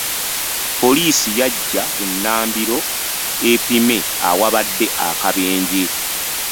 Poliisi yajja bunnambiro epime awabadde akabenje.